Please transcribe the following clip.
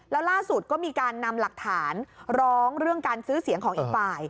แล้วล่าสุดก็มีการนำหลักฐานร้องเรื่องการซื้อเสียงของอีกฝ่าย